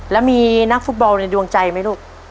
แล้วมีนักฟุตบอลในดวงใจไหมลูก